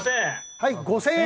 はい５０００円。